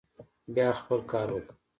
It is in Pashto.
بيا خپل کار وکه.